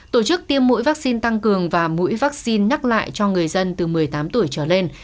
tổ chức tiêm mũi vaccine tăng cường và mũi vaccine nhắc lại cho người dân từ một mươi tám tuổi trở lên